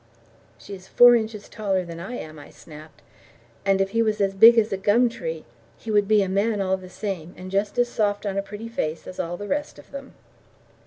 "She is four inches taller than I am," I snapped. "And if he was as big as a gum tree, he would be a man all the same, and just as soft on a pretty face as all the rest of them."